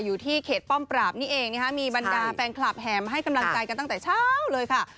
อยู่ที่เขตป้อมปราบนี่เองนะคะมีบรรดาแฟนคลับแห่มาให้กำลังใจกันตั้งแต่เช้าเลยค่ะ